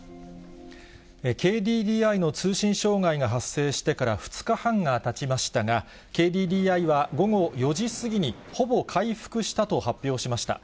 ＫＤＤＩの通信障害が発生してから２日半がたちましたが、ＫＤＤＩは午後４時過ぎに、ほぼ回復したと発表しました。